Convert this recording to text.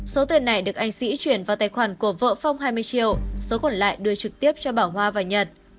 số tiền này được anh sĩ chuyển vào tài khoản của vợ phong hai mươi triệu số còn lại đưa trực tiếp cho bảo hoa và nhật